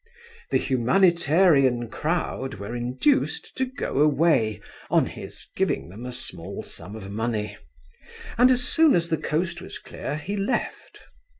The humanitarian crowd were induced to go away on his giving them a small sum of money, and as soon as the coast was clear he left.